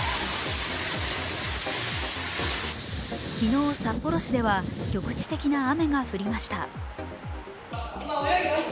昨日、札幌市では局地的な雨が降りました。